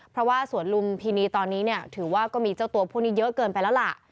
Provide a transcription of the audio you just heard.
เพราะว่าสวนลุมพินีตอนนี้เนี่ยถือว่าก็มีเจ้าตัวพวกนี้เยอะเกินไปแล้วล่ะ